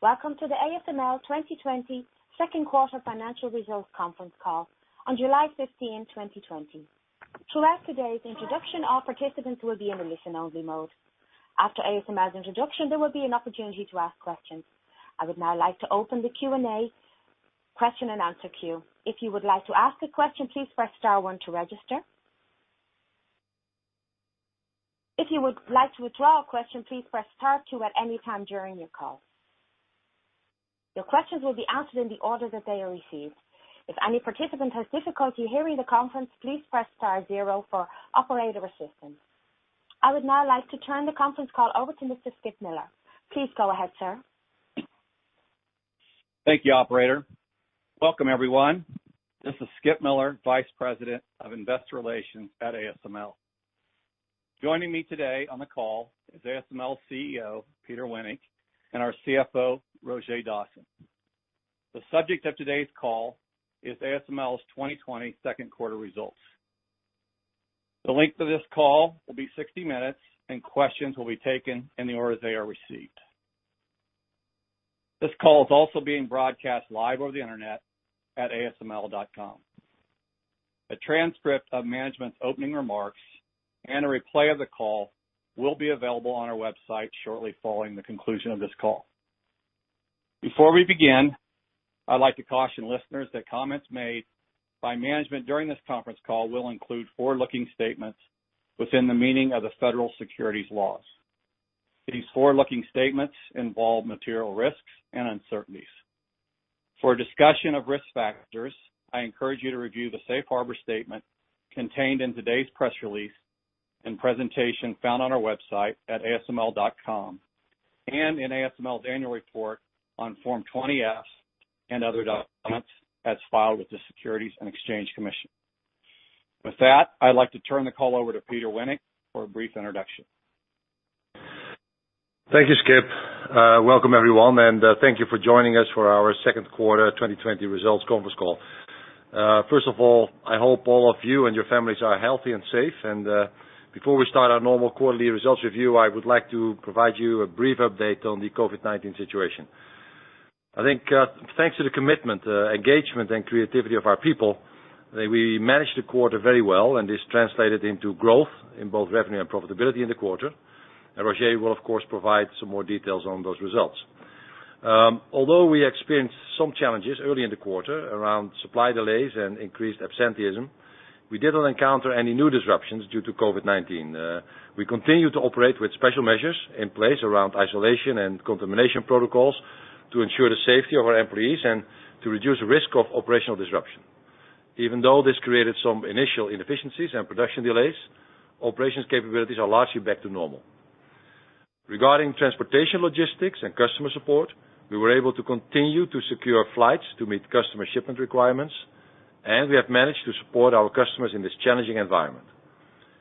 Welcome to the ASML 2020 second quarter financial results conference call on July 15, 2020. Throughout today's introduction, all participants will be in a listen-only mode. After ASML's introduction, there will be an opportunity to ask questions. I would now like to open the Q&A question-and-answer queue. If you would like to ask a question, please press star one to register. If you would like to withdraw a question, please press star two at any time during your call. Your questions will be answered in the order that they are received. If any participant has difficulty hearing the conference, please press star zero for operator assistance. I would now like to turn the conference call over to Mr. Skip Miller. Please go ahead, sir. Thank you, operator. Welcome, everyone. This is Skip Miller, vice president of investor relations at ASML. Joining me today on the call is ASML CEO, Peter Wennink, and our CFO, Roger Dassen. The subject of today's call is ASML's 2020 second quarter results. The length of this call will be 60 minutes, and questions will be taken in the order they are received. This call is also being broadcast live over the internet at asml.com. A transcript of management's opening remarks and a replay of the call will be available on our website shortly following the conclusion of this call. Before we begin, I'd like to caution listeners that comments made by management during this conference call will include forward-looking statements within the meaning of the federal securities laws. These forward-looking statements involve material risks and uncertainties. For a discussion of risk factors, I encourage you to review the safe harbor statement contained in today's press release and presentation found on our website at asml.com, and in ASML annual report on Form 20-F and other documents as filed with the Securities and Exchange Commission. With that, I'd like to turn the call over to Peter Wennink for a brief introduction. Thank you, Skip. Welcome everyone, and thank you for joining us for our second quarter 2020 results conference call. First of all, I hope all of you and your families are healthy and safe. Before we start our normal quarterly results review, I would like to provide you a brief update on the COVID-19 situation. I think, thanks to the commitment, engagement, and creativity of our people, that we managed the quarter very well, and this translated into growth in both revenue and profitability in the quarter. Roger will, of course, provide some more details on those results. Although we experienced some challenges early in the quarter around supply delays and increased absenteeism, we didn't encounter any new disruptions due to COVID-19. We continue to operate with special measures in place around isolation and contamination protocols to ensure the safety of our employees and to reduce risk of operational disruption. Even though this created some initial inefficiencies and production delays, operations capabilities are largely back to normal. Regarding transportation logistics and customer support, we were able to continue to secure flights to meet customer shipment requirements, and we have managed to support our customers in this challenging environment.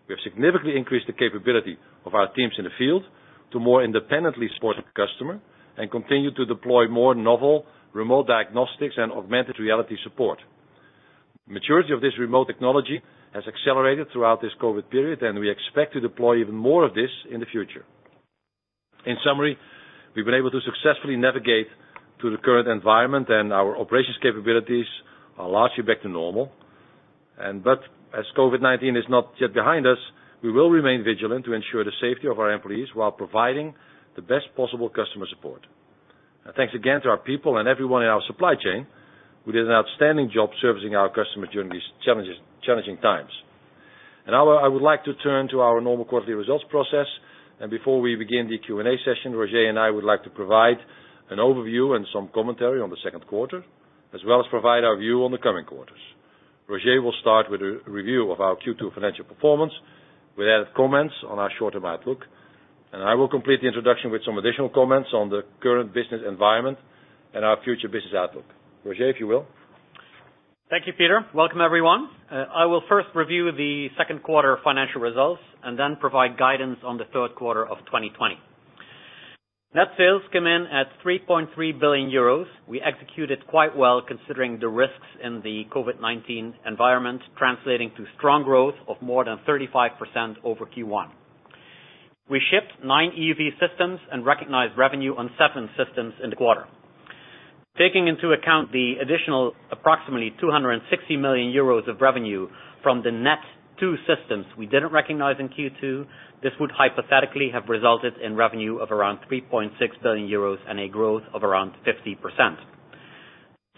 We have significantly increased the capability of our teams in the field to more independently support the customer and continue to deploy more novel remote diagnostics and augmented reality support. Maturity of this remote technology has accelerated throughout this COVID period, and we expect to deploy even more of this in the future. In summary, we've been able to successfully navigate through the current environment, and our operations capabilities are largely back to normal. As COVID-19 is not yet behind us, we will remain vigilant to ensure the safety of our employees while providing the best possible customer support. Thanks again to our people and everyone in our supply chain, who did an outstanding job servicing our customers during these challenging times. Now, I would like to turn to our normal quarterly results process, and before we begin the Q&A session, Roger and I would like to provide an overview and some commentary on the second quarter, as well as provide our view on the coming quarters. Roger will start with a review of our Q2 financial performance with added comments on our short-term outlook, and I will complete the introduction with some additional comments on the current business environment and our future business outlook. Roger, if you will. Thank you, Peter. Welcome, everyone. I will first review the second quarter financial results and then provide guidance on the third quarter of 2020. Net sales come in at 3.3 billion euros. We executed quite well considering the risks in the COVID-19 environment, translating to strong growth of more than 35% over Q1. We shipped nine EUV systems and recognized revenue on seven systems in the quarter. Taking into account the additional approximately 260 million euros of revenue from the net two systems we didn't recognize in Q2, this would hypothetically have resulted in revenue of around 3.6 billion euros and a growth of around 50%.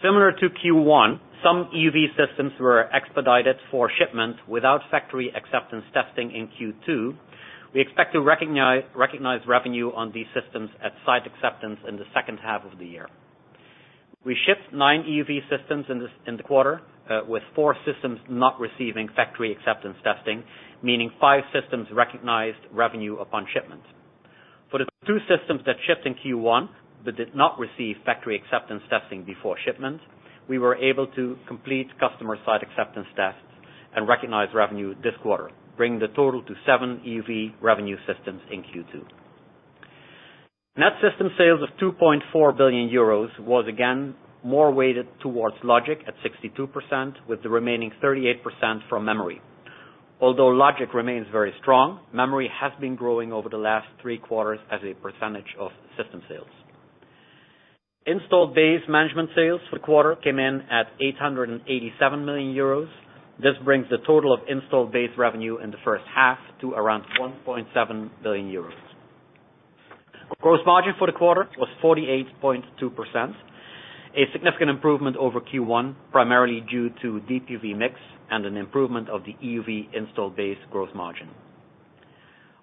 Similar to Q1, some EUV systems were expedited for shipment without factory acceptance testing in Q2. We expect to recognize revenue on these systems at site acceptance in the second half of the year. We shipped nine EUV systems in the quarter, with four systems not receiving factory acceptance testing, meaning five systems recognized revenue upon shipment. For the two systems that shipped in Q1 but did not receive factory acceptance testing before shipment, we were able to complete customer site acceptance tests and recognize revenue this quarter, bringing the total to seven EUV revenue systems in Q2. Net system sales of 2.4 billion euros was again more weighted towards logic at 62%, with the remaining 38% from memory. Although logic remains very strong, memory has been growing over the last three quarters as a percentage of system sales. Installed Base Management sales for the quarter came in at 887 million euros. This brings the total of installed base revenue in the first half to around 1.7 billion euros. Gross margin for the quarter was 48.2%, a significant improvement over Q1, primarily due to DUV mix and an improvement of the EUV installed base gross margin.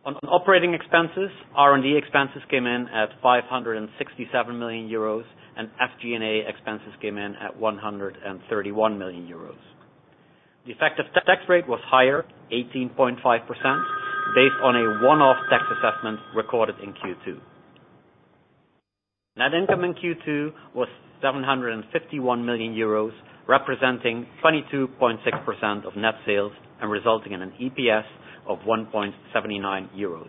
On operating expenses, R&D expenses came in at 567 million euros, and SG&A expenses came in at 131 million euros. The effective tax rate was higher, 18.5%, based on a one-off tax assessment recorded in Q2. Net income in Q2 was 751 million euros, representing 22.6% of net sales, and resulting in an EPS of 1.79 euros.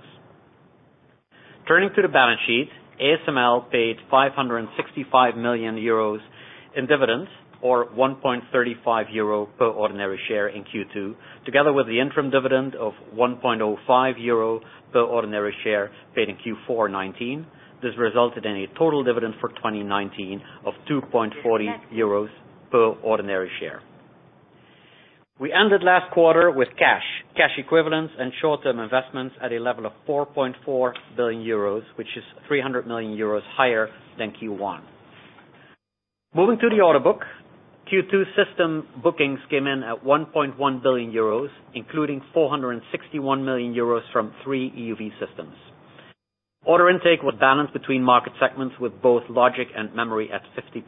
Turning to the balance sheet, ASML paid 565 million euros in dividends, or 1.35 euro per ordinary share in Q2, together with the interim dividend of 1.05 euro per ordinary share paid in Q4 2019. This resulted in a total dividend for 2019 of 2.40 euros per ordinary share. We ended last quarter with cash equivalents, and short-term investments at a level of 4.4 billion euros, which is 300 million euros higher than Q1. Moving to the order book, Q2 system bookings came in at 1.1 billion euros, including 461 million euros from three EUV systems. Order intake was balanced between market segments with both logic and memory at 50%.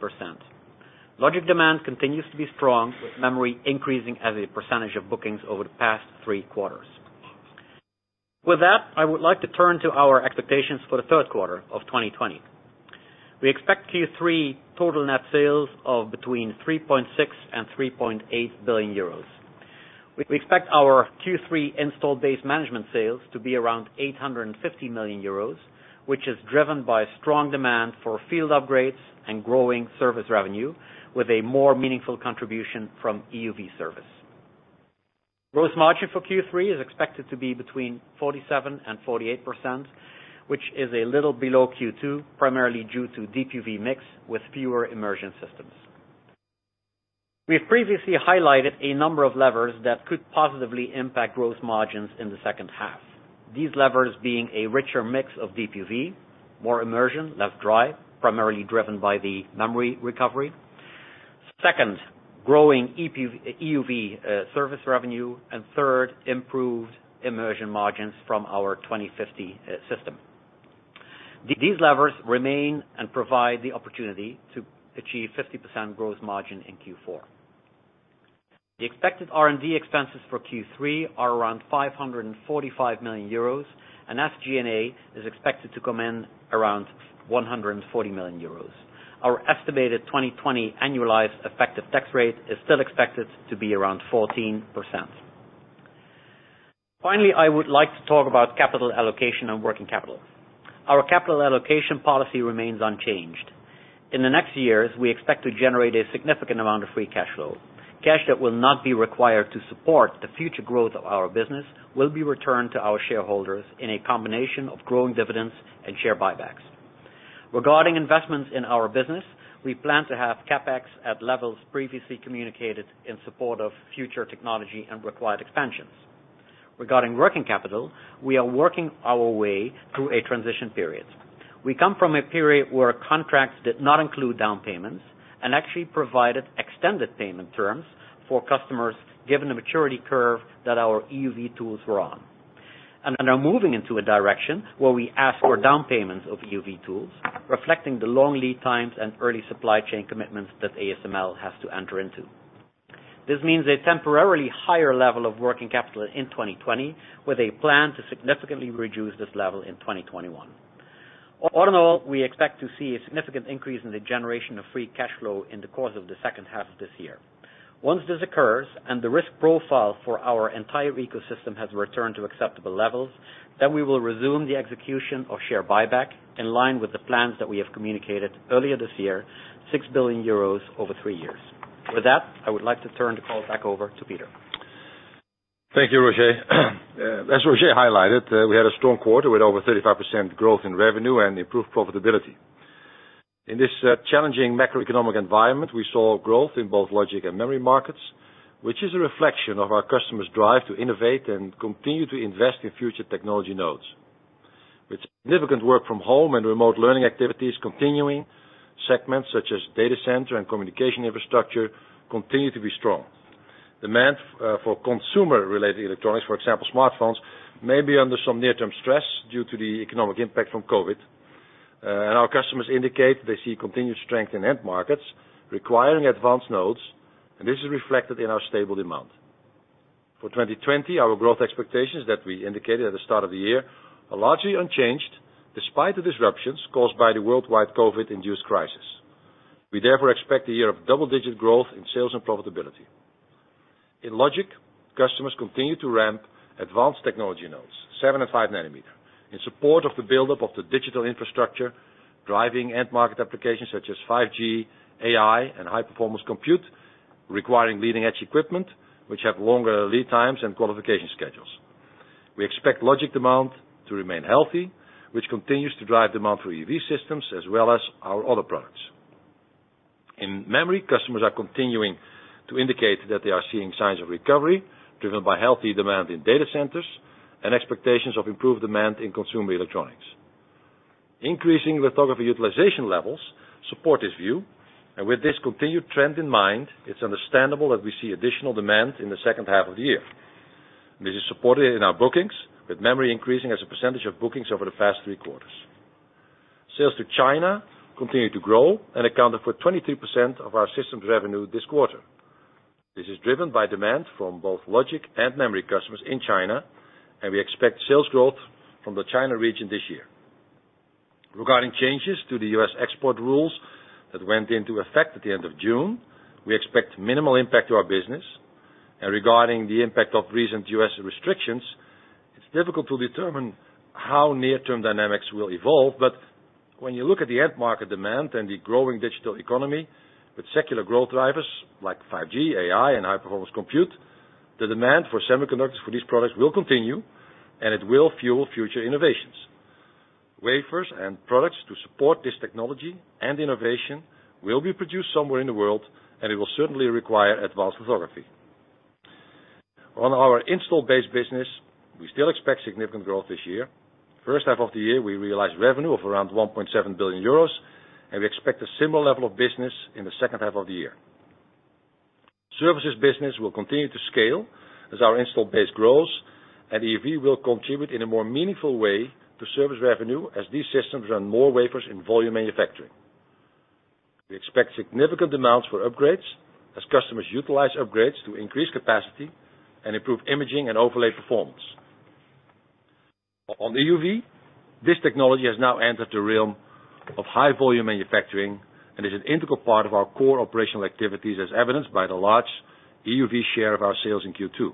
Logic demand continues to be strong, with memory increasing as a percentage of bookings over the past three quarters. With that, I would like to turn to our expectations for the third quarter of 2020. We expect Q3 total net sales of between 3.6 billion and 3.8 billion euros. We expect our Q3 Installed Base Management sales to be around 850 million euros, which is driven by strong demand for field upgrades and growing service revenue with a more meaningful contribution from EUV service. Gross margin for Q3 is expected to be between 47% and 48%, which is a little below Q2, primarily due to DUV mix with fewer immersion systems. We have previously highlighted a number of levers that could positively impact gross margins in the second half. These levers being a richer mix of DUV, more immersion, less dry, primarily driven by the memory recovery. Second, growing EUV service revenue, and third, improved immersion margins from our 2050 system. These levers remain and provide the opportunity to achieve 50% gross margin in Q4. The expected R&D expenses for Q3 are around 545 million euros. SG&A is expected to come in around 140 million euros. Our estimated 2020 annualized effective tax rate is still expected to be around 14%. Finally, I would like to talk about capital allocation and working capital. Our capital allocation policy remains unchanged. In the next years, we expect to generate a significant amount of free cash flow. Cash that will not be required to support the future growth of our business will be returned to our shareholders in a combination of growing dividends and share buybacks. Regarding investments in our business, we plan to have CapEx at levels previously communicated in support of future technology and required expansions. Regarding working capital, we are working our way through a transition period. We come from a period where contracts did not include down payments and actually provided extended payment terms for customers, given the maturity curve that our EUV tools were on. Are now moving into a direction where we ask for down payments of EUV tools, reflecting the long lead times and early supply chain commitments that ASML has to enter into. This means a temporarily higher level of working capital in 2020, with a plan to significantly reduce this level in 2021. All in all, we expect to see a significant increase in the generation of free cash flow in the course of the second half of this year. Once this occurs and the risk profile for our entire ecosystem has returned to acceptable levels, then we will resume the execution of share buyback, in line with the plans that we have communicated earlier this year, six billion euros over three years. With that, I would like to turn the call back over to Peter. Thank you, Roger. As Roger highlighted, we had a strong quarter with over 35% growth in revenue and improved profitability. In this challenging macroeconomic environment, we saw growth in both logic and memory markets, which is a reflection of our customers' drive to innovate and continue to invest in future technology nodes. With significant work from home and remote learning activities continuing, segments such as data center and communication infrastructure continue to be strong. Demand for consumer-related electronics, for example, smartphones, may be under some near-term stress due to the economic impact from COVID-19. Our customers indicate they see continued strength in end markets requiring advanced nodes, and this is reflected in our stable demand. For 2020, our growth expectations that we indicated at the start of the year are largely unchanged, despite the disruptions caused by the worldwide COVID-19-induced crisis. We therefore expect a year of double-digit growth in sales and profitability. In logic, customers continue to ramp advanced technology nodes, seven and five nanometer, in support of the buildup of the digital infrastructure, driving end-market applications such as 5G, AI, and high-performance compute, requiring leading-edge equipment, which have longer lead times and qualification schedules. We expect logic demand to remain healthy, which continues to drive demand for EUV systems as well as our other products. In memory, customers are continuing to indicate that they are seeing signs of recovery, driven by healthy demand in data centers and expectations of improved demand in consumer electronics. Increasing lithography utilization levels support this view, and with this continued trend in mind, it's understandable that we see additional demand in the second half of the year. This is supported in our bookings, with memory increasing as a percentage of bookings over the past three quarters. Sales to China continue to grow and accounted for 23% of our systems revenue this quarter. This is driven by demand from both logic and memory customers in China. We expect sales growth from the China region this year. Regarding changes to the U.S. export rules that went into effect at the end of June, we expect minimal impact to our business. Regarding the impact of recent U.S. restrictions, it's difficult to determine how near-term dynamics will evolve. When you look at the end market demand and the growing digital economy with secular growth drivers like 5G, AI, and high-performance compute, the demand for semiconductors for these products will continue. It will fuel future innovations. Wafers and products to support this technology and innovation will be produced somewhere in the world, and it will certainly require advanced lithography. On our Installed Base business, we still expect significant growth this year. First half of the year, we realized revenue of around 1.7 billion euros, and we expect a similar level of business in the second half of the year. Services business will continue to scale as our Installed Base grows, and EUV will contribute in a more meaningful way to service revenue as these systems run more wafers in volume manufacturing. We expect significant demands for upgrades as customers utilize upgrades to increase capacity and improve imaging and overlay performance. On EUV, this technology has now entered the realm of high-volume manufacturing and is an integral part of our core operational activities, as evidenced by the large EUV share of our sales in Q2.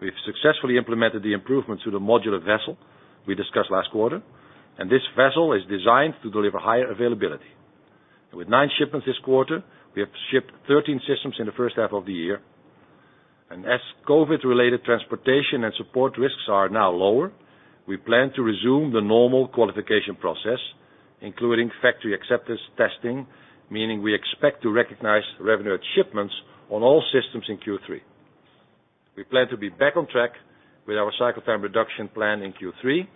We've successfully implemented the improvements to the modular vessel we discussed last quarter. This vessel is designed to deliver higher availability. With nine shipments this quarter, we have shipped 13 systems in the first half of the year. As COVID-related transportation and support risks are now lower, we plan to resume the normal qualification process, including factory acceptance testing, meaning we expect to recognize revenue at shipments on all systems in Q3. We plan to be back on track with our cycle time reduction plan in Q3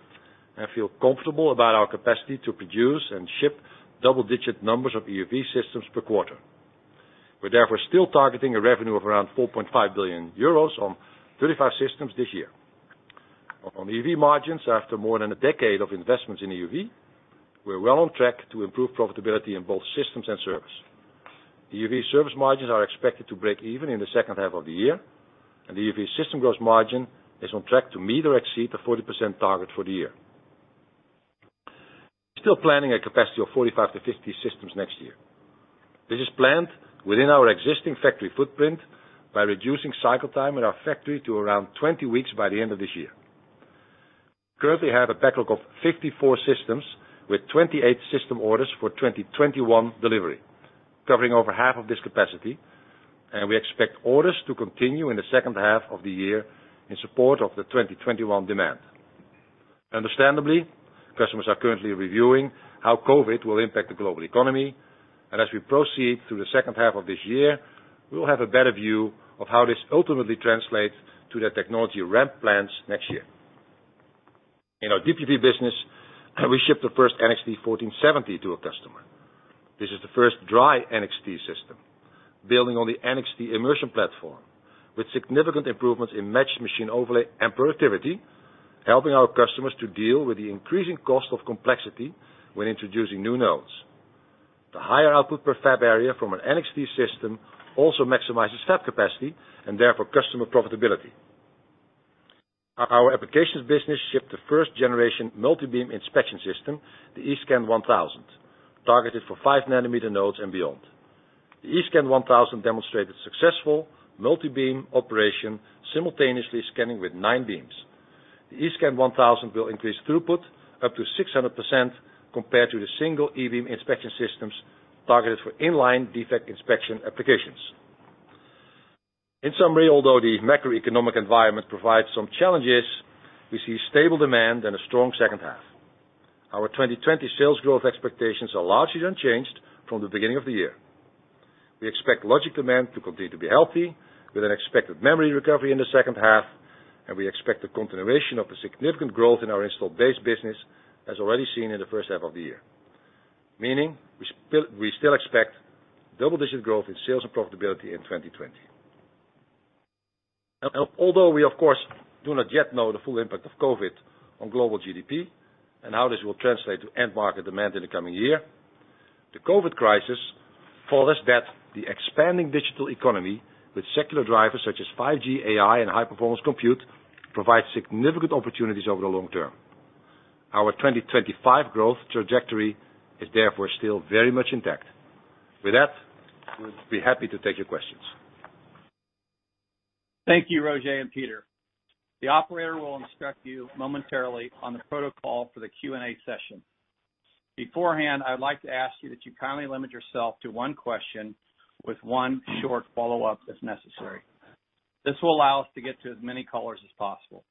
and feel comfortable about our capacity to produce and ship double-digit numbers of EUV systems per quarter. We're therefore still targeting a revenue of around 4.5 billion euros on 35 systems this year. On EUV margins, after more than a decade of investments in EUV, we're well on track to improve profitability in both systems and service. EUV service margins are expected to break even in the second half of the year, and EUV system gross margin is on track to meet or exceed the 40% target for the year. Still planning a capacity of 45-50 systems next year. This is planned within our existing factory footprint by reducing cycle time in our factory to around 20 weeks by the end of this year. Currently have a backlog of 54 systems with 28 system orders for 2021 delivery, covering over half of this capacity, and we expect orders to continue in the second half of the year in support of the 2021 demand. Understandably, customers are currently reviewing how COVID will impact the global economy, and as we proceed through the second half of this year, we will have a better view of how this ultimately translates to their technology ramp plans next year. In our DUV business, we shipped the first NXT 1470 to a customer. This is the first dry NXT system, building on the NXT immersion platform, with significant improvements in matched-machine overlay and productivity, helping our customers to deal with the increasing cost of complexity when introducing new nodes. The higher output per fab area from an NXT system also maximizes fab capacity and therefore customer profitability. Our applications business shipped the first-generation multi-beam inspection system, the eScan 1000, targeted for five-nanometer nodes and beyond. The eScan 1000 demonstrated successful multi-beam operation, simultaneously scanning with nine beams. The eScan 1000 will increase throughput up to 600% compared to the single e-beam inspection systems targeted for in-line defect inspection applications. In summary, although the macroeconomic environment provides some challenges, we see stable demand and a strong second half. Our 2020 sales growth expectations are largely unchanged from the beginning of the year. We expect logic demand to continue to be healthy with an expected memory recovery in the second half, and we expect a continuation of the significant growth in our install base business as already seen in the first half of the year, meaning we still expect double-digit growth in sales and profitability in 2020. Although we, of course, do not yet know the full impact of COVID on global GDP and how this will translate to end market demand in the coming year, the COVID crisis follows that the expanding digital economy with secular drivers such as 5G, AI, and high-performance compute provide significant opportunities over the long term. Our 2025 growth trajectory is therefore still very much intact. With that, we'll be happy to take your questions. Thank you, Roger and Peter. The operator will instruct you momentarily on the protocol for the Q&A session. Beforehand, I would like to ask you that you kindly limit yourself to one question with one short follow-up if necessary. This will allow us to get to as many callers as possible.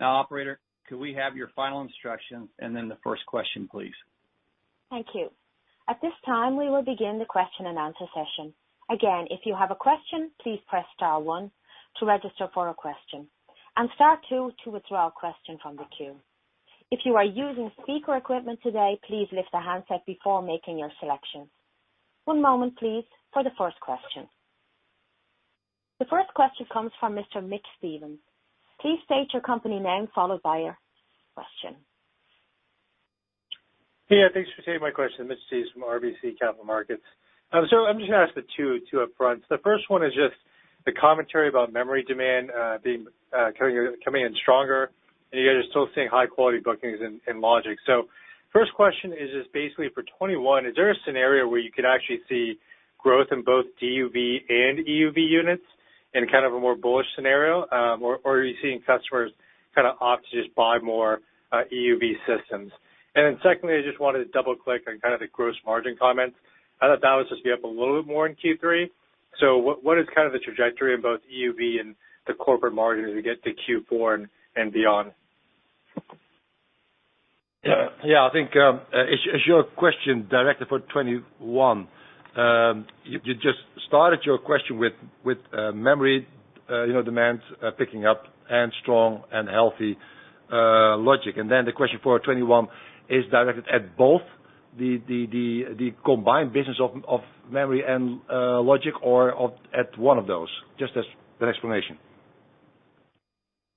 Now, operator, could we have your final instructions and then the first question, please? Thank you. At this time, we will begin the question-and-answer session. Again, if you have a question, please press star 1 to register for a question and star 2 to withdraw a question from the queue. If you are using speaker equipment today, please lift the handset before making your selection. One moment, please, for the first question. The first question comes from Mr. Mitch Steves. Please state your company name followed by your question. Yeah. Thanks for taking my question. Mitch Steves from RBC Capital Markets. I'm just going to ask the 2 up fronts. The first one is just the commentary about memory demand coming in stronger, and you guys are still seeing high-quality bookings in logic. First question is just basically for 2021, is there a scenario where you could actually see growth in both DUV and EUV units in kind of a more bullish scenario? Are you seeing customers kind of opt to just buy more EUV systems? Secondly, I just wanted to double-click on kind of the gross margin comments. I thought that would just be up a little bit more in Q3. What is kind of the trajectory in both EUV and the corporate margin as we get to Q4 and beyond? Yeah. I think, is your question directed for 2021? You just started your question with memory demand picking up and strong and healthy logic, and then the question for 2021 is directed at both the combined business of memory and logic or at one of those? Just as an explanation.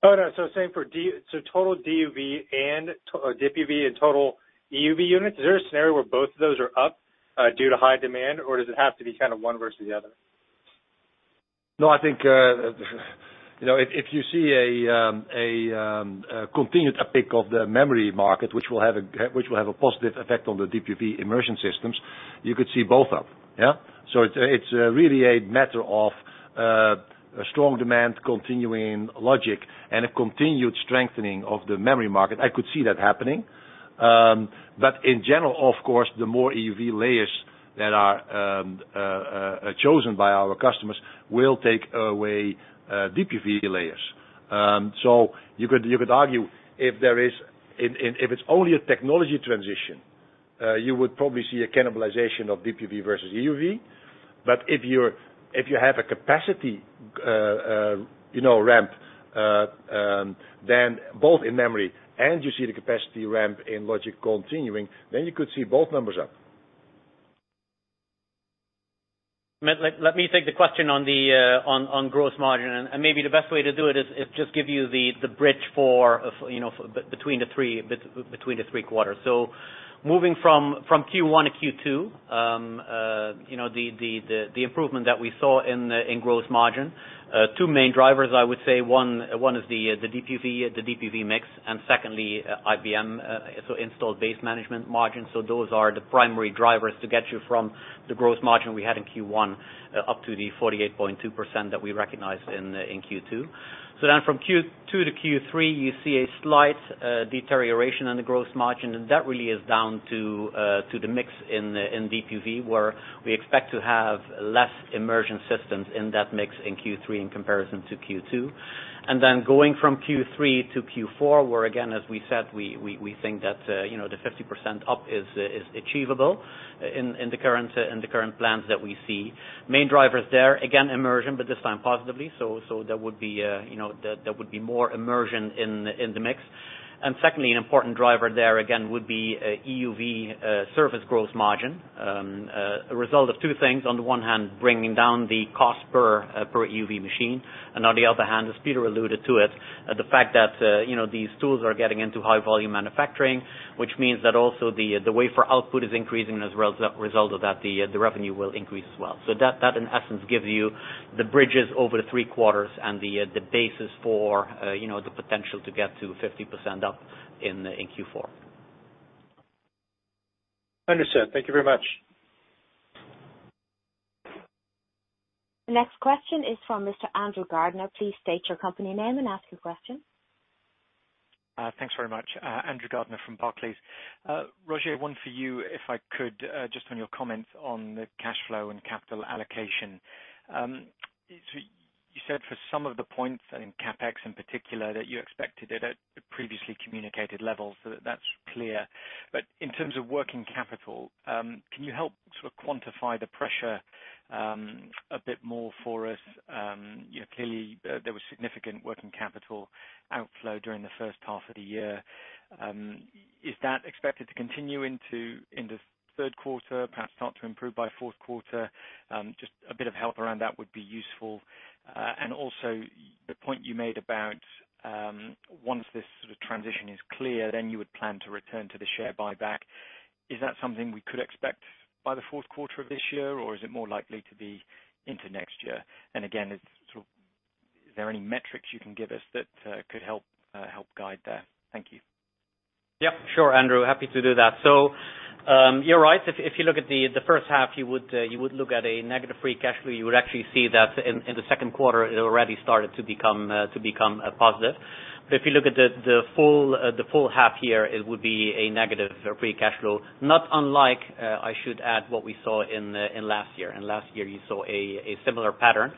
Oh, no. Same for total DUV and total EUV units, is there a scenario where both of those are up due to high demand, or does it have to be kind of one versus the other? I think, if you see a continued uptick of the memory market, which will have a positive effect on the DUV immersion systems, you could see both up. Yeah? It's really a matter of strong demand continuing logic and a continued strengthening of the memory market. I could see that happening. In general, of course, the more EUV layers that are chosen by our customers will take away DUV layers. You could argue if it's only a technology transition, you would probably see a cannibalization of DUV versus EUV. If you have a capacity ramp, then both in memory and you see the capacity ramp in logic continuing, then you could see both numbers up. Mitch, let me take the question on gross margin, and maybe the best way to do it is just give you the bridge between the three quarters. Moving from Q1 to Q2, the improvement that we saw in gross margin, two main drivers, I would say. One is the DUV mix, and secondly, IBM, so Installed Base Management margin. Those are the primary drivers to get you from the gross margin we had in Q1 up to the 48.2% that we recognized in Q2. From Q2 to Q3, you see a slight deterioration in the gross margin, and that really is down to the mix in DUV, where we expect to have less immersion systems in that mix in Q3 in comparison to Q2. Then going from Q3 to Q4, where again, as we said, we think that the 50% up is achievable in the current plans that we see. Main drivers there, again, immersion, but this time positively. There would be more immersion in the mix. Secondly, an important driver there, again, would be EUV service gross margin, a result of two things. On the one hand, bringing down the cost per EUV machine, and on the other hand, as Peter alluded to it, the fact that these tools are getting into high-volume manufacturing, which means that also the wafer output is increasing, and as a result of that, the revenue will increase as well. That, in essence, gives you the bridges over the three quarters and the basis for the potential to get to 50% up in Q4. Understood. Thank you very much. The next question is from Mr. Andrew Gardiner. Please state your company name and ask your question. Thanks very much. Andrew Gardiner from Barclays. Roger, one for you, if I could, just on your comments on the cash flow and capital allocation. You said for some of the points, I think CapEx in particular, that you expected it at previously communicated levels, so that's clear. In terms of working capital, can you help sort of quantify the pressure a bit more for us? Clearly, there was significant working capital outflow during the first half of the year. Is that expected to continue in the third quarter, perhaps start to improve by fourth quarter? Just a bit of help around that would be useful. Also the point you made about once this sort of transition is clear, then you would plan to return to the share buyback. Is that something we could expect by the fourth quarter of this year, or is it more likely to be into next year? Again, is there any metrics you can give us that could help guide there? Thank you. Yep. Sure, Andrew. Happy to do that. You're right. If you look at the first half, you would look at a negative free cash flow. You would actually see that in the second quarter, it already started to become positive. If you look at the full half year, it would be a negative free cash flow. Not unlike, I should add, what we saw in last year. In last year, you saw a similar pattern.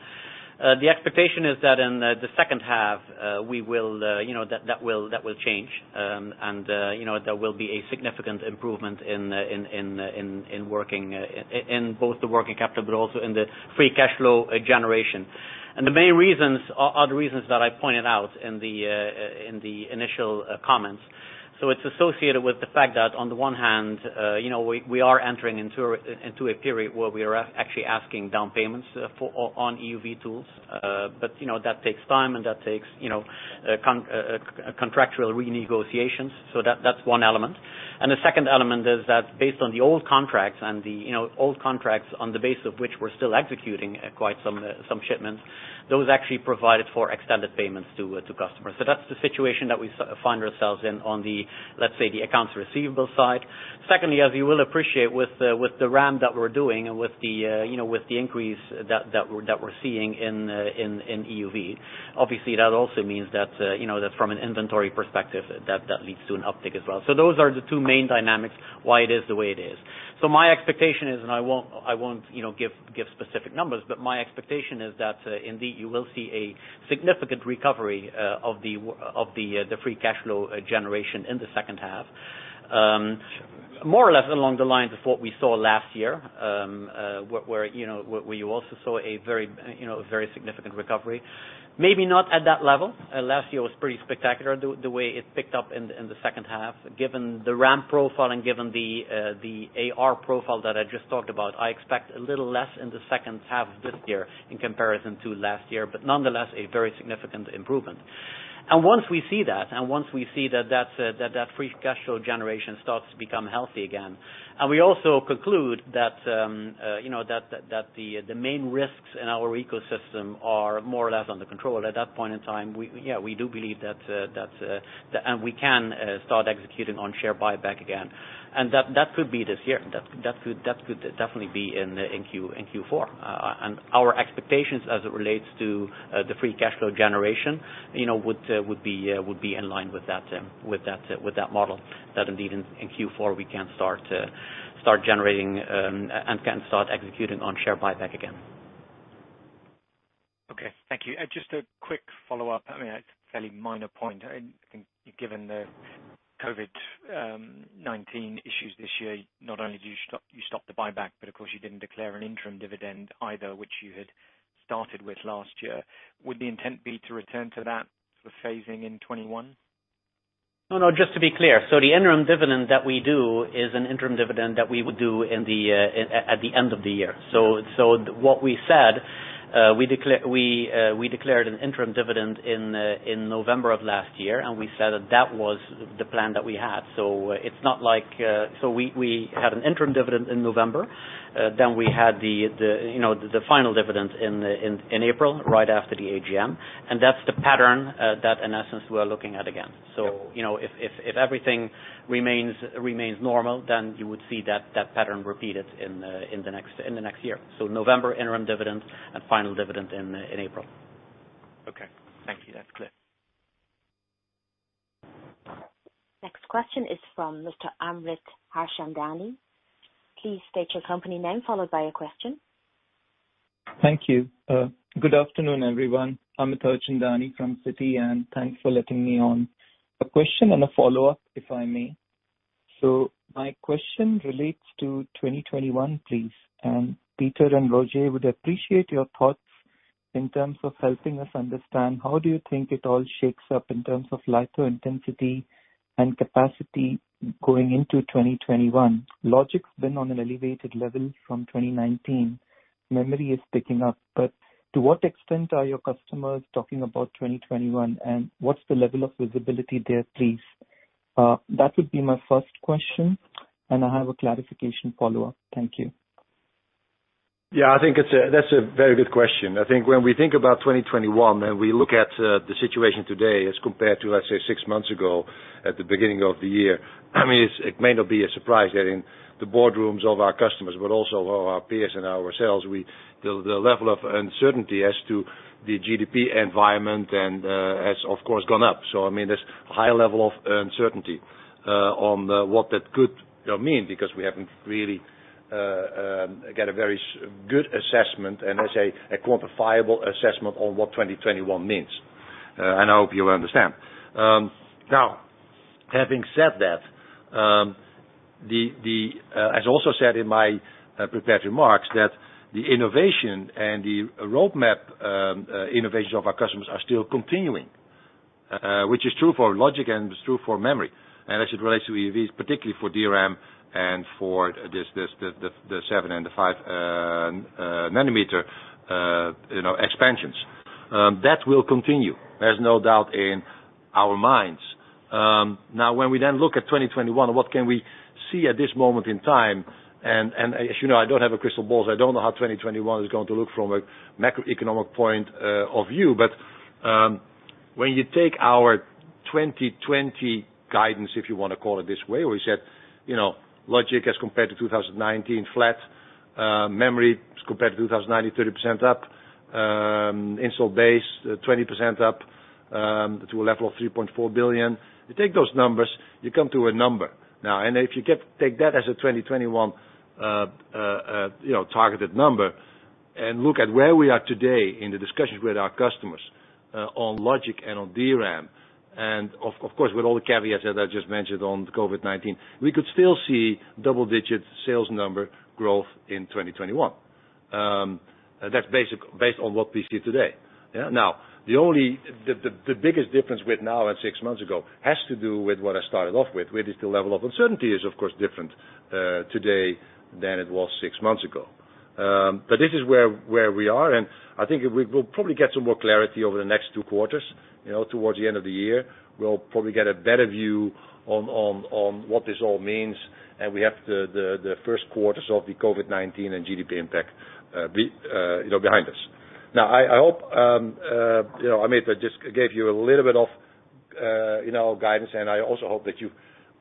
The expectation is that in the second half, that will change. There will be a significant improvement in both the working capital, but also in the free cash flow generation. The main reasons are the reasons that I pointed out in the initial comments. It's associated with the fact that on the one hand, we are entering into a period where we are actually asking down payments on EUV tools. That takes time and that takes contractual renegotiations. That's one element. The second element is that based on the old contracts, and the old contracts on the base of which we're still executing quite some shipments, those actually provided for extended payments to customers. That's the situation that we find ourselves in on the, let's say, the accounts receivable side. Secondly, as you will appreciate with the ramp that we're doing and with the increase that we're seeing in EUV, obviously, that also means that from an inventory perspective, that leads to an uptick as well. Those are the two main dynamics why it is the way it is. My expectation is, and I won't give specific numbers, but my expectation is that indeed, you will see a significant recovery of the free cash flow generation in the second half. More or less along the lines of what we saw last year, where you also saw a very significant recovery. Maybe not at that level. Last year was pretty spectacular the way it picked up in the second half. Given the ramp profile and given the AR profile that I just talked about, I expect a little less in the second half of this year in comparison to last year, nonetheless, a very significant improvement. Once we see that, and once we see that free cash flow generation starts to become healthy again, and we also conclude that the main risks in our ecosystem are more or less under control, at that point in time, we do believe that we can start executing on share buyback again. That could be this year. That could definitely be in Q4. Our expectations as it relates to the free cash flow generation would be in line with that model, that indeed in Q4 we can start generating, and can start executing on share buyback again. Okay. Thank you. Just a quick follow-up. I mean, a fairly minor point. I think given the COVID-19 issues this year, not only do you stop the buyback, but of course, you didn't declare an interim dividend either, which you had started with last year. Would the intent be to return to that sort of phasing in 2021? No, just to be clear. The interim dividend that we do is an interim dividend that we would do at the end of the year. What we said, we declared an interim dividend in November of last year, and we said that that was the plan that we had. We had an interim dividend in November, then we had the final dividend in April right after the AGM. That's the pattern that in essence, we're looking at again. If everything remains normal, then you would see that pattern repeated in the next year. November, interim dividend, and final dividend in April. Okay. Thank you. That's clear. Next question is from Mr. Amit Harchandani. Please state your company name, followed by your question. Thank you. Good afternoon, everyone. Amit Harchandani from Citi, thanks for letting me on. A question and a follow-up, if I may. My question relates to 2021, please. Peter and Roger, would appreciate your thoughts in terms of helping us understand how do you think it all shakes up in terms of litho intensity and capacity going into 2021? Logic's been on an elevated level from 2019. Memory is picking up, to what extent are your customers talking about 2021, what's the level of visibility there, please? That would be my first question, I have a clarification follow-up. Thank you. Yeah, I think that's a very good question. I think when we think about 2021, we look at the situation today as compared to, let's say, six months ago at the beginning of the year, it may not be a surprise that in the boardrooms of our customers, but also of our peers and ourselves, the level of uncertainty as to the GDP environment has of course gone up. There's a high level of uncertainty on what that could mean because we haven't really got a very good assessment, and let's say a quantifiable assessment on what 2021 means. I hope you understand. Now, having said that, as also said in my prepared remarks, that the innovation and the roadmap innovation of our customers are still continuing, which is true for logic and is true for memory. As it relates to EUVs, particularly for DRAM and for the seven and five nanometer expansions, that will continue. There's no doubt in our minds. When we then look at 2021, what can we see at this moment in time? As you know, I don't have a crystal ball, so I don't know how 2021 is going to look from a macroeconomic point of view. When you take our 2020 guidance, if you want to call it this way, where we said logic as compared to 2019, flat, memory compared to 2019, 30% up, Installed Base, 20% up to a level of 3.4 billion. You take those numbers, you come to a number. If you take that as a 2021 targeted number and look at where we are today in the discussions with our customers on logic and on DRAM, of course, with all the caveats that I just mentioned on COVID-19, we could still see double-digit sales number growth in 2021. That's based on what we see today. The biggest difference with now and six months ago has to do with what I started off with, which is the level of uncertainty is, of course, different today than it was six months ago. This is where we are, and I think we will probably get some more clarity over the next two quarters, towards the end of the year. We'll probably get a better view on what this all means, and we have the first quarters of the COVID-19 and GDP impact behind us. Now, I hope, Amit, I just gave you a little bit of guidance, and I also hope that you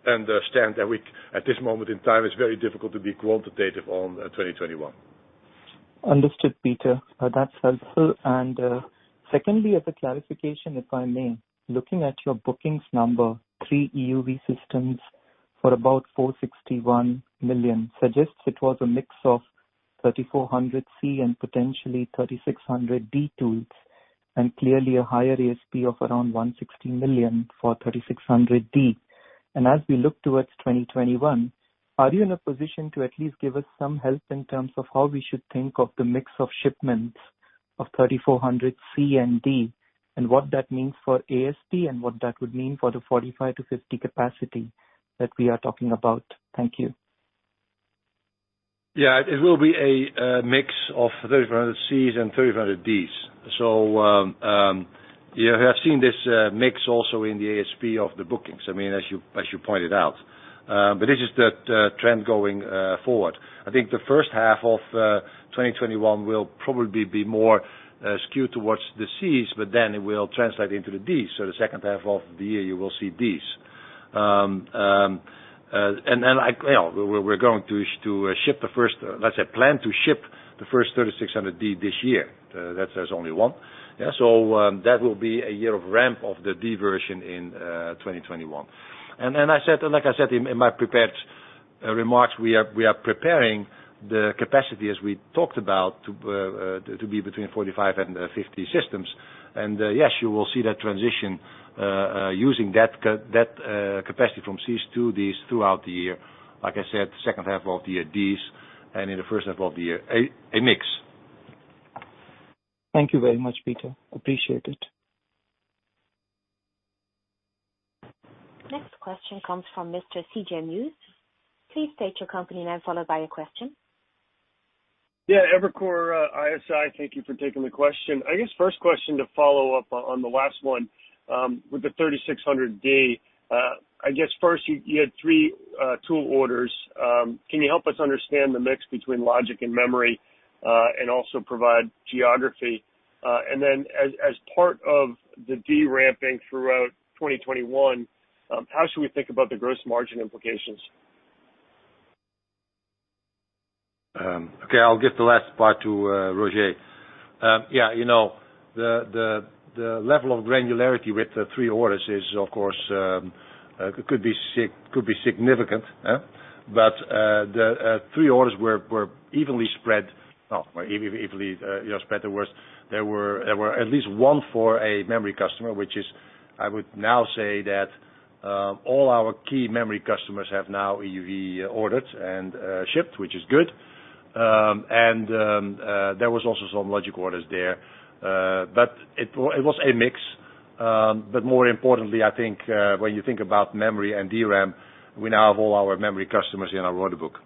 understand that at this moment in time, it's very difficult to be quantitative on 2021. Understood, Peter. That's helpful. Secondly, as a clarification, if I may. Looking at your bookings number, 3 EUV systems for about 461 million suggests it was a mix of 3400C and potentially 3600D tools, and clearly a higher ASP of around 160 million for 3600D. As we look towards 2021, are you in a position to at least give us some help in terms of how we should think of the mix of shipments of 3400C and D, and what that means for ASP and what that would mean for the 45-50 capacity that we are talking about? Thank you. Yeah, it will be a mix of 3400 Cs and 3400 Ds. You have seen this mix also in the ASP of the bookings, as you pointed out. This is the trend going forward. I think the first half of 2021 will probably be more skewed towards the Cs, but then it will translate into the Ds, so the second half of the year, you will see Ds. Then we're going to ship the first, let's say, plan to ship the first 3600D this year. That says only one. That will be a year of ramp of the D version in 2021. Like I said in my prepared remarks, we are preparing the capacity as we talked about to be between 45 and 50 systems. Yes, you will see that transition using that capacity from Cs to Ds throughout the year. Like I said, the second half of the year, Ds, and in the first half of the year, a mix. Thank you very much, Peter. Appreciate it. Next question comes from Mr. C.J. Muse. Please state your company name followed by your question. Yeah, Evercore ISI. Thank you for taking the question. I guess first question to follow up on the last one, with the 3600D. I guess first you had three tool orders. Can you help us understand the mix between logic and memory, and also provide geography? As part of the D ramping throughout 2021, how should we think about the gross margin implications? Okay, I'll give the last part to Roger. Yeah. The level of granularity with the three orders is, of course, could be significant. The three orders were evenly spread. Well, evenly spread is worse. There were at least one for a memory customer, which is, I would now say that all our key memory customers have now EUV ordered and shipped, which is good. There was also some logic orders there. It was a mix. More importantly, I think, when you think about memory and DRAM, we now have all our memory customers in our order book.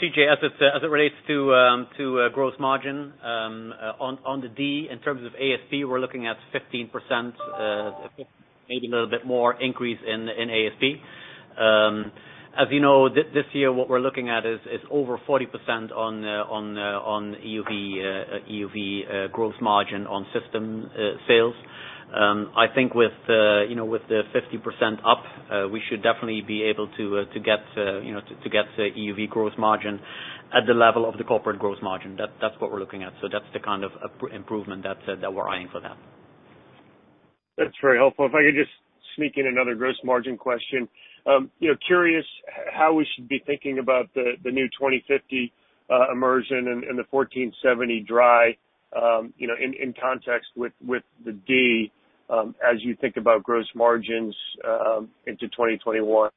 C.J., as it relates to gross margin, on the D, in terms of ASP, we're looking at 15%, maybe a little bit more increase in ASP. As you know, this year, what we're looking at is over 40% on EUV gross margin on system sales. I think with the 50% up, we should definitely be able to get the EUV gross margin at the level of the corporate gross margin. That's what we're looking at. That's the kind of improvement that we're eyeing for that. That's very helpful. If I could just sneak in another gross margin question. Curious how we should be thinking about the new 2050 immersion and the 1470 dry, in context with the D, as you think about gross margins into 2021.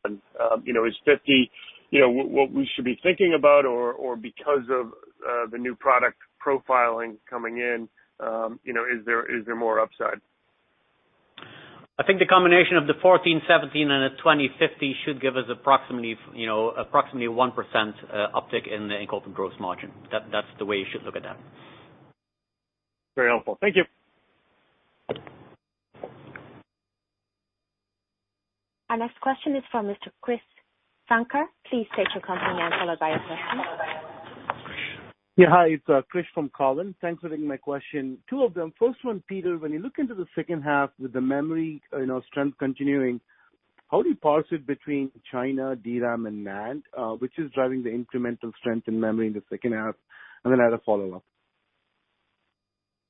Is 50 what we should be thinking about, or because of the new product profiling coming in, is there more upside? I think the combination of the 1470 and the 2050 should give us approximately 1% uptick in the incremental gross margin. That's the way you should look at that. Very helpful. Thank you. Our next question is from Mr. Krish Sankar. Please state your company name, followed by your question. Yeah, hi. It's Krish from Cowen. Thanks for taking my question. Two of them. First one, Peter, when you look into the second half with the memory strength continuing, how do you parse it between China, DRAM, and NAND? Which is driving the incremental strength in memory in the second half? I have a follow-up.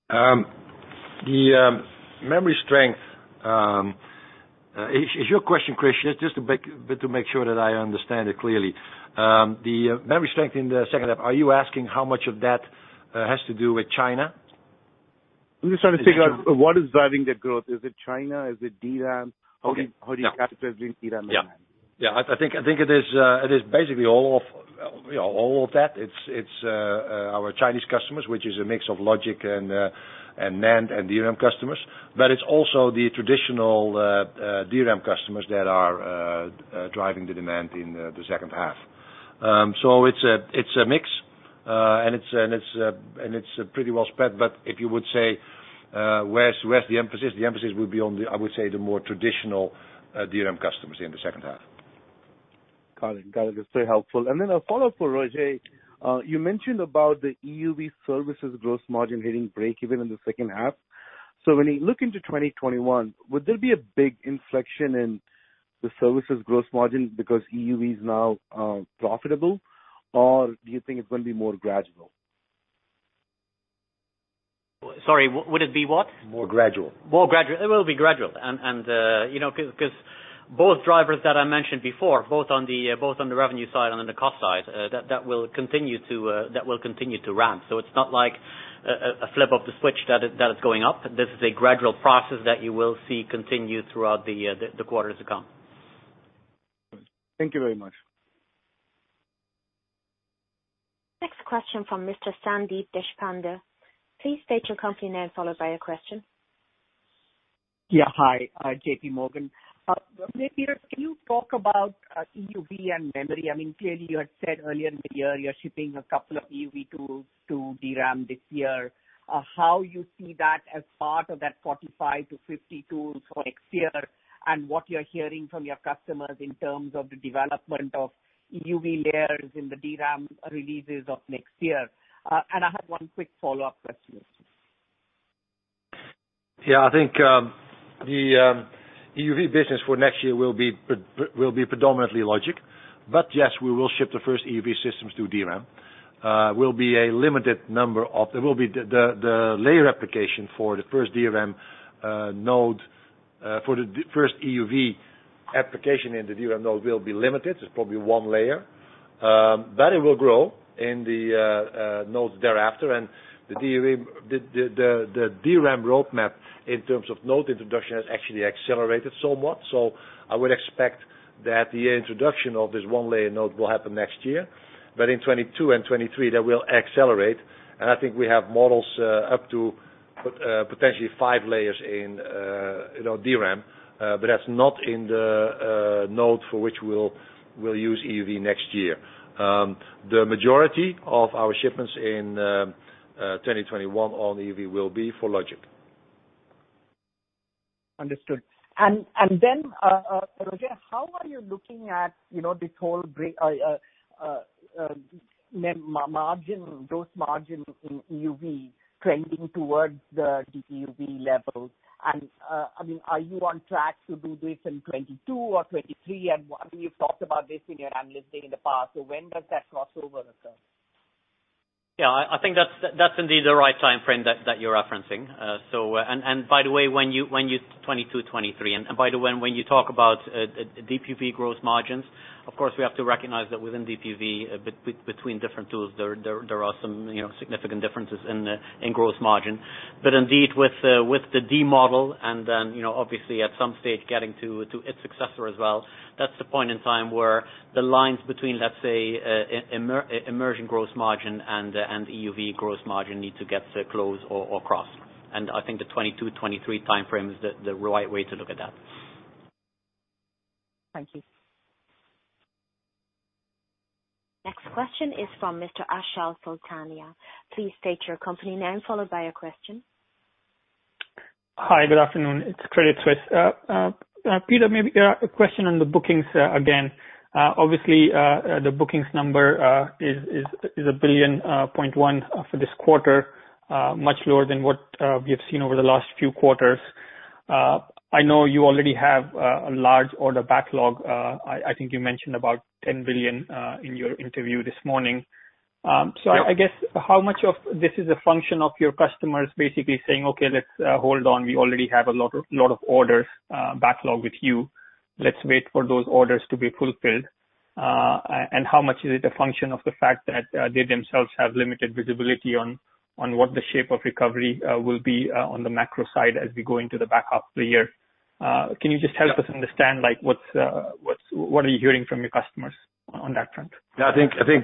The memory strength. Is your question, Krish, just a bit to make sure that I understand it clearly. The memory strength in the second half, are you asking how much of that has to do with China? I'm just trying to figure out what is driving the growth. Is it China? Is it DRAM? How do you categorize between DRAM and NAND? Yeah. I think it is basically all of that. It's our Chinese customers, which is a mix of logic and NAND and DRAM customers, but it's also the traditional DRAM customers that are driving the demand in the second half. It's a mix, and it's pretty well spread, but if you would say where's the emphasis, the emphasis would be on, I would say, the more traditional DRAM customers in the second half. Got it. That's very helpful. A follow-up for Roger. You mentioned about the EUV services gross margin hitting break-even in the second half. When you look into 2021, would there be a big inflection in the services gross margin because EUV is now profitable? Do you think it's going to be more gradual? Sorry, would it be what? More gradual. More gradual. It will be gradual. Because both drivers that I mentioned before, both on the revenue side and on the cost side, that will continue to ramp. It's not like a flip of the switch that is going up. This is a gradual process that you will see continue throughout the quarters to come. Thank you very much. Next question from Mr. Sandeep Deshpande. Please state your company name, followed by your question. Yeah, hi. J.P. Morgan. Maybe, Peter, can you talk about EUV and memory? Clearly you had said earlier in the year you're shipping a couple of EUV tools to DRAM this year. How you see that as part of that 45-50 tools for next year, and what you're hearing from your customers in terms of the development of EUV layers in the DRAM releases of next year? I have one quick follow-up question. Yeah, I think the EUV business for next year will be predominantly logic. Yes, we will ship the first EUV systems to DRAM. The layer application for the first EUV application in the DRAM node will be limited. It's probably one layer. It will grow in the nodes thereafter, and the DRAM roadmap in terms of node introduction has actually accelerated somewhat. I would expect that the introduction of this one-layer node will happen next year. In 2022 and 2023, that will accelerate, and I think we have models up to potentially five layers in DRAM. That's not in the node for which we'll use EUV next year. The majority of our shipments in 2021 on EUV will be for logic. Understood. Roger, how are you looking at this whole gross margin in EUV trending towards the DUV levels? Are you on track to do this in 2022 or 2023? You've talked about this in your analyst day in the past. When does that crossover occur? Yeah, I think that's indeed the right timeframe that you're referencing. 2022, 2023. By the way, when you talk about DUV gross margins, of course, we have to recognize that within DUV, between different tools, there are some significant differences in gross margin. Indeed, with the D model and then, obviously at some stage getting to its successor as well, that's the point in time where the lines between, let's say, immersion gross margin and EUV gross margin need to get close or cross. I think the 2022, 2023 timeframe is the right way to look at that. Thank you. Next question is from Mr. Achal Sultania. Please state your company name, followed by your question. Hi, good afternoon. It's Credit Suisse. Peter, maybe a question on the bookings again. Obviously, the bookings number is 1.1 billion for this quarter, much lower than what we have seen over the last few quarters. I know you already have a large order backlog. I think you mentioned about 10 billion in your interview this morning. I guess how much of this is a function of your customers basically saying, "Okay, let's hold on. We already have a lot of orders backlog with you. Let's wait for those orders to be fulfilled." How much is it a function of the fact that they themselves have limited visibility on what the shape of recovery will be on the macro side as we go into the back half of the year? Can you just help us understand what are you hearing from your customers on that front? I think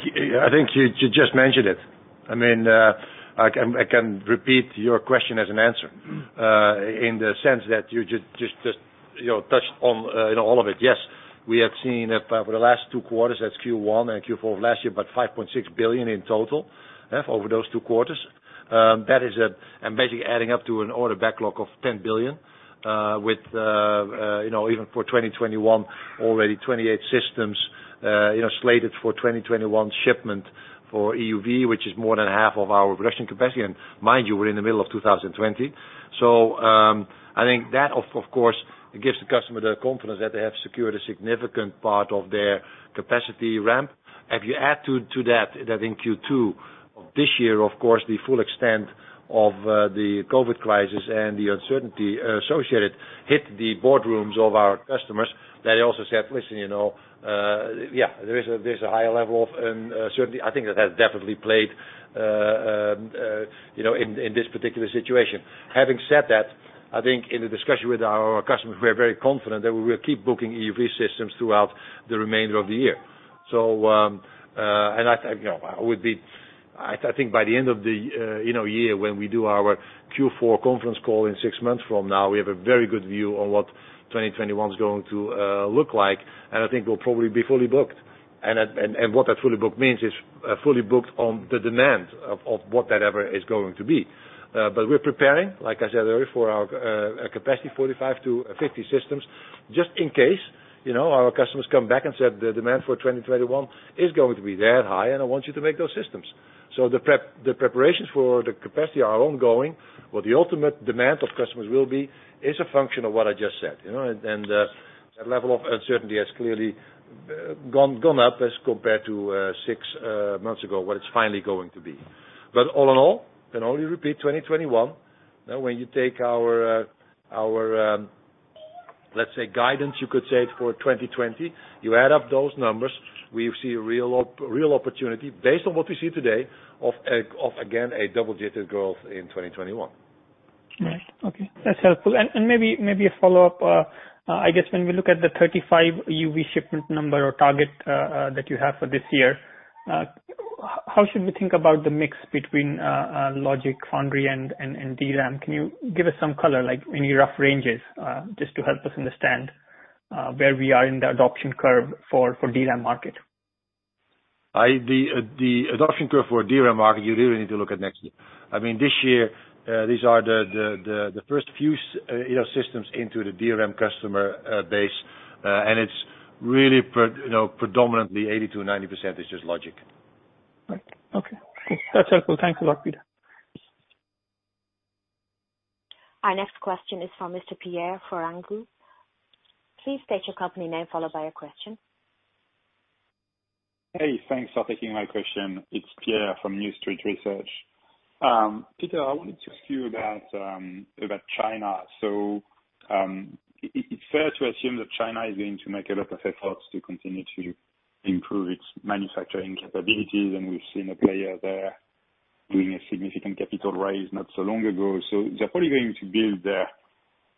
you just mentioned it. I can repeat your question as an answer, in the sense that you just touched on all of it. Yes, we have seen that for the last two quarters, that's Q1 and Q4 of last year, about 5.6 billion in total over those two quarters. That is basically adding up to an order backlog of 10 billion with, even for 2021, already 28 systems slated for 2021 shipment for EUV, which is more than half of our production capacity. Mind you, we're in the middle of 2020. I think that, of course, gives the customer the confidence that they have secured a significant part of their capacity ramp. If you add to that in Q2 of this year, of course, the full extent of the COVID-19 crisis and the uncertainty associated hit the boardrooms of our customers. They also said, "Listen, yeah, there's a higher level of uncertainty." I think that has definitely played in this particular situation. Having said that, I think in the discussion with our customers, we're very confident that we will keep booking EUV systems throughout the remainder of the year. I think by the end of the year, when we do our Q4 conference call in six months from now, we have a very good view on what 2021 is going to look like, and I think we'll probably be fully booked. What that fully booked means is fully booked on the demand of what that ever is going to be. We're preparing, like I said earlier, for our capacity 45 to 50 systems just in case our customers come back and said the demand for 2021 is going to be that high, and I want you to make those systems. The preparations for the capacity are ongoing. What the ultimate demand of customers will be is a function of what I just said. That level of uncertainty has clearly gone up as compared to six months ago, what it's finally going to be. All in all, can only repeat 2021. When you take our, let's say, guidance, you could say it for 2020. You add up those numbers, we see a real opportunity based on what we see today of, again, a double-digit growth in 2021. Right. Okay. That's helpful. Maybe a follow-up. I guess when we look at the 35 EUV shipment number or target that you have for this year, how should we think about the mix between logic foundry and DRAM? Can you give us some color, like any rough ranges, just to help us understand where we are in the adoption curve for DRAM market? The adoption curve for DRAM market, you really need to look at next year. This year, these are the first few systems into the DRAM customer base, and it's really predominantly 80%-90% is just logic. Right. Okay. That's helpful. Thank you a lot, Peter. Our next question is from Mr. Pierre Ferragu. Please state your company name, followed by your question. Hey, thanks for taking my question. It's Pierre from New Street Research. Peter, I wanted to ask you about China. It's fair to assume that China is going to make a lot of efforts to continue to improve its manufacturing capabilities, and we've seen a player there doing a significant capital raise not so long ago. They're probably going to build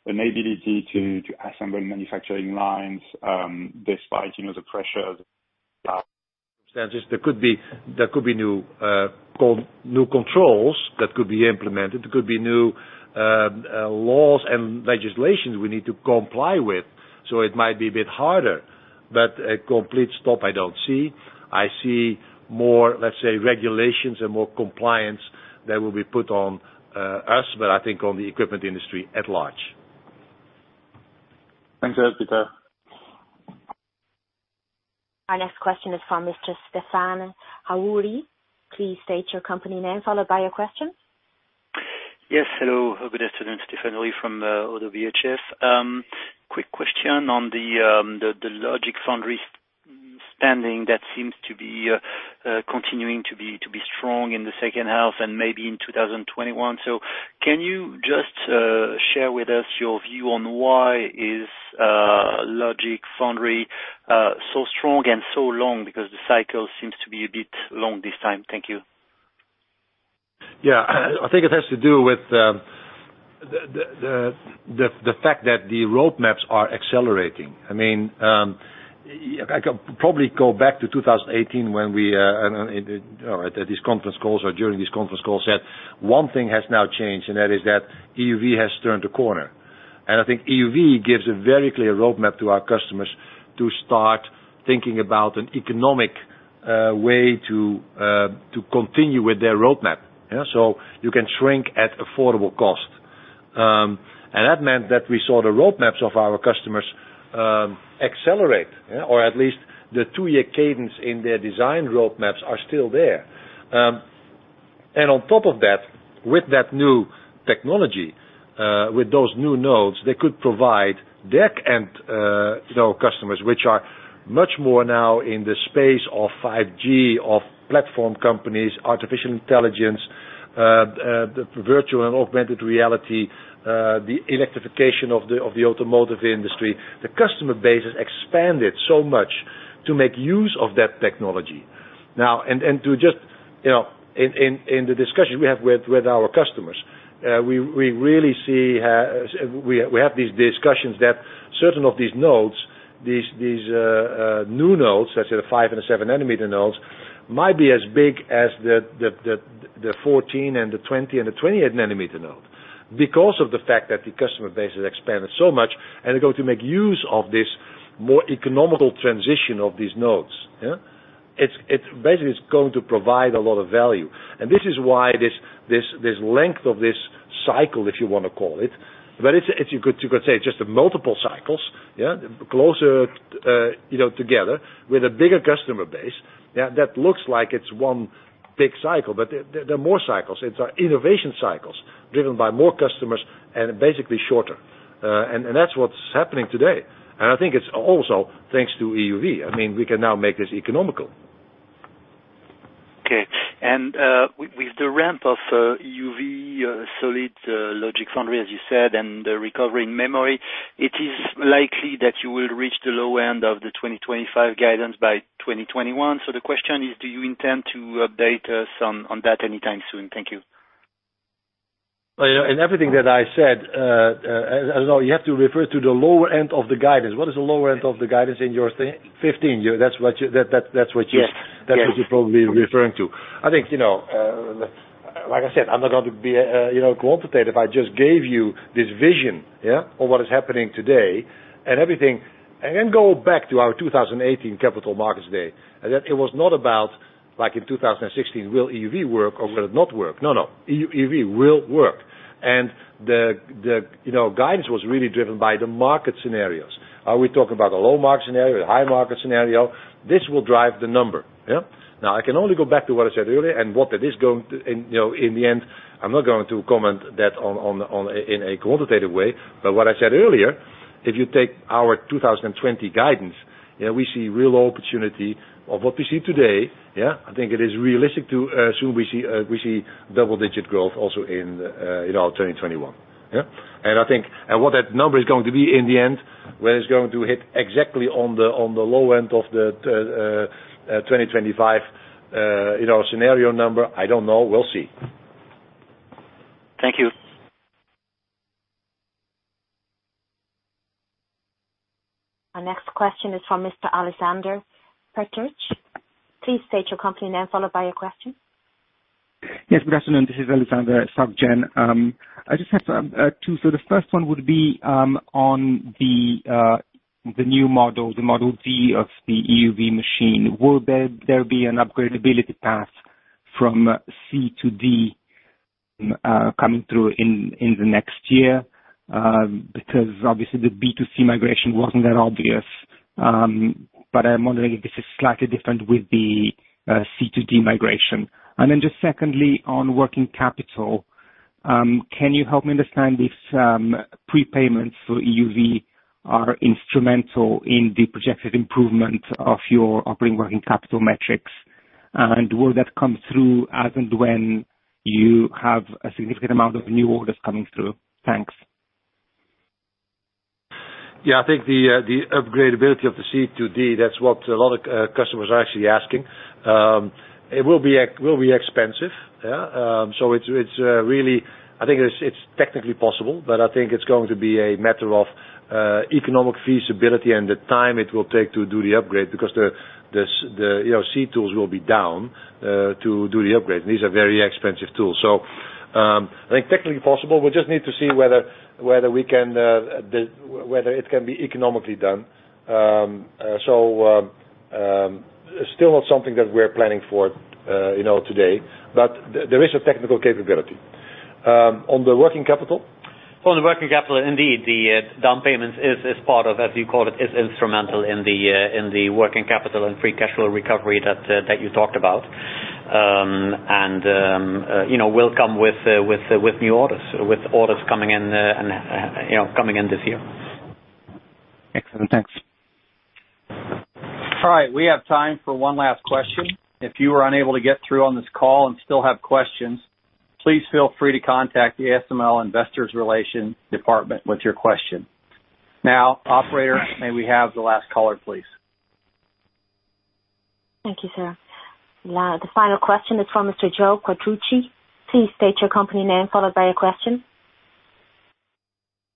an ability to assemble manufacturing lines, despite the pressure. There could be new controls that could be implemented. There could be new laws and legislations we need to comply with, so it might be a bit harder. A complete stop, I don't see. I see more, let's say, regulations and more compliance that will be put on us, I think on the equipment industry at large. Thanks a lot, Peter. Our next question is from Mr. Stephane Houri. Please state your company name, followed by your question. Yes. Hello. Good afternoon, Stephane Houri from ODDO BHF. Quick question on the logic foundry standing that seems to be continuing to be strong in the second half and maybe in 2021. Can you just share with us your view on why is logic foundry so strong and so long? The cycle seems to be a bit long this time. Thank you. Yeah. I think it has to do with the fact that the roadmaps are accelerating. I can probably go back to 2018 when we, at these conference calls or during these conference calls said one thing has now changed, and that is that EUV has turned a corner. I think EUV gives a very clear roadmap to our customers to start thinking about an economic way to continue with their roadmap. You can shrink at affordable cost. That meant that we saw the roadmaps of our customers accelerate. At least the two-year cadence in their design roadmaps are still there. On top of that, with that new technology, with those new nodes, they could provide their end customers, which are much more now in the space of 5G, of platform companies, artificial intelligence, the virtual and augmented reality, the electrification of the automotive industry. The customer base has expanded so much to make use of that technology. In the discussion we have with our customers, we have these discussions that certain of these nodes, these new nodes, let's say the five and the seven nanometer nodes, might be as big as the 14 and the 20 and the 28 nanometer node. Because of the fact that the customer base has expanded so much, and they're going to make use of this more economical transition of these nodes. Basically, it's going to provide a lot of value. This is why this length of this cycle, if you want to call it, but you could say just multiple cycles closer together with a bigger customer base, that looks like it's one big cycle, but they're more cycles. It's innovation cycles driven by more customers and basically shorter. That's what's happening today. I think it's also thanks to EUV. We can now make this economical. Okay. With the ramp of EUV solid logic foundry, as you said, and the recovery in memory, it is likely that you will reach the low end of the 2025 guidance by 2021. The question is, do you intend to update us on that anytime soon? Thank you. In everything that I said, you have to refer to the lower end of the guidance. What is the lower end of the guidance you were saying, 15? That's what you're probably referring to. Like I said, I'm not going to be quantitative. I just gave you this vision of what is happening today and everything. Go back to our 2018 Capital Markets Day. It was not about, like in 2016, will EUV work or will it not work? No, EUV will work. The guidance was really driven by the market scenarios. Are we talking about a low-market scenario, a high-market scenario? This will drive the number. Now, I can only go back to what I said earlier and in the end, I'm not going to comment that in a quantitative way. What I said earlier, if you take our 2020 guidance, we see real opportunity of what we see today. I think it is realistic to assume we see double-digit growth also in our 2021. What that number is going to be in the end, where it's going to hit exactly on the low end of the 2025 scenario number, I don't know. We'll see. Thank you. Our next question is from Mr. Alexander Peterc. Please state your company name, followed by your question. Yes, good afternoon. This is Alexander at Societe Generale. I just have two. The first one would be on the new model, the Model D of the EUV machine. Will there be an upgradability path from C to D coming through in the next year? Obviously the B to C migration wasn't that obvious. I'm wondering if this is slightly different with the C to D migration. Secondly, on working capital, can you help me understand if some prepayments for EUV are instrumental in the projected improvement of your operating working capital metrics? Will that come through as and when you have a significant amount of new orders coming through? Thanks. Yeah, I think the upgradability of the C to D, that's what a lot of customers are actually asking. It will be expensive. I think it's technically possible, but I think it's going to be a matter of economic feasibility and the time it will take to do the upgrade because the C tools will be down to do the upgrade. These are very expensive tools. I think technically possible. We just need to see whether it can be economically done. Still not something that we're planning for today, but there is a technical capability. On the working capital? On the working capital, indeed, the down payment, as you call it, is instrumental in the working capital and free cash flow recovery that you talked about. Will come with new orders, with orders coming in this year. Excellent. Thanks. All right. We have time for one last question. If you were unable to get through on this call and still have questions, please feel free to contact the ASML Investor Relations department with your question. Operator, may we have the last caller, please? Thank you, sir. The final question is from Mr. Joe Quatrochi. Please state your company name, followed by your question.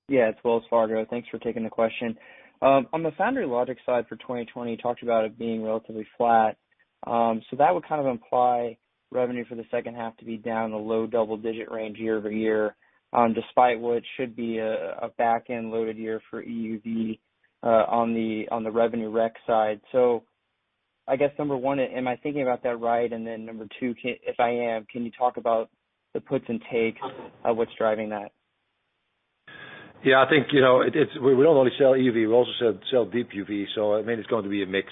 Yeah, it's Wells Fargo. Thanks for taking the question. On the foundry logic side for 2020, you talked about it being relatively flat. That would kind of imply revenue for the second half to be down a low double-digit range year-over-year, despite what should be a back-end loaded year for EUV on the revenue rec side. I guess number one, am I thinking about that right? Number two, if I am, can you talk about the puts and takes of what's driving that? Yeah, I think we don't only sell EUV, we also sell Deep UV. It's going to be a mix.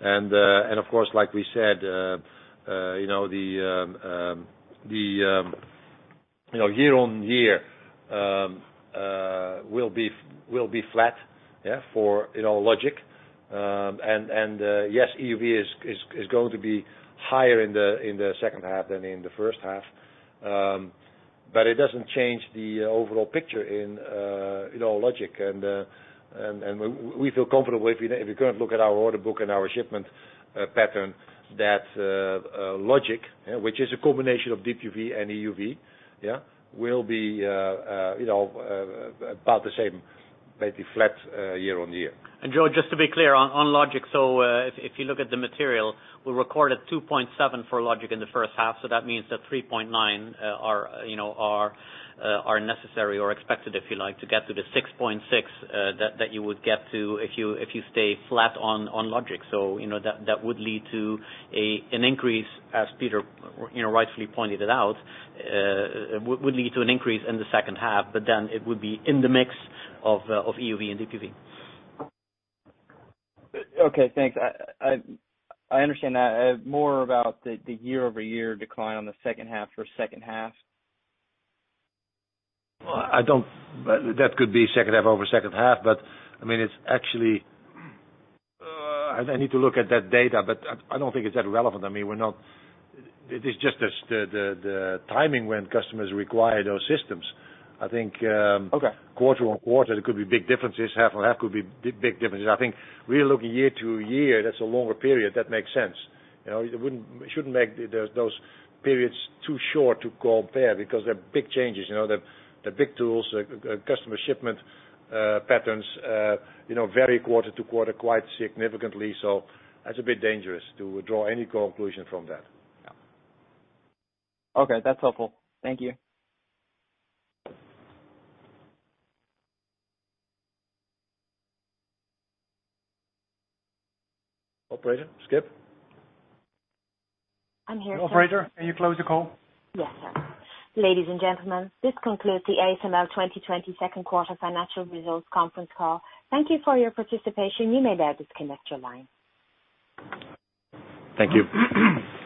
Of course, like we said, the year-on-year will be flat for logic. Yes, EUV is going to be higher in the second half than in the first half. It doesn't change the overall picture in our logic. We feel comfortable if you're going to look at our order book and our shipment pattern, that logic, which is a combination of Deep UV and EUV, will be about the same, basically flat year-on-year. Joe, just to be clear on logic. If you look at the material, we recorded 2.7 for logic in the first half. That means that 3.9 are necessary or expected, if you like, to get to the 6.6 that you would get to if you stay flat on logic. That would lead to an increase, as Peter rightfully pointed it out, would lead to an increase in the second half, but then it would be in the mix of EUV and Deep UV. Okay, thanks. I understand that. More about the year-over-year decline on the second half for second half. That could be second half over second half, but it's actually I need to look at that data, but I don't think it's that relevant. It's just the timing when customers require those systems. Okay. Quarter-on-quarter, there could be big differences. Half-on-half could be big differences. I think really looking year-to-year, that's a longer period. That makes sense. You shouldn't make those periods too short to compare because they're big changes. They're big tools. Customer shipment patterns vary quarter-to-quarter quite significantly. That's a bit dangerous to draw any conclusion from that. Okay, that's helpful. Thank you. Operator, Skip. I'm here, sir. Operator, can you close the call? Yes, sir. Ladies and gentlemen, this concludes the ASML 2022 second quarter financial results conference call. Thank you for your participation. You may now disconnect your line. Thank you.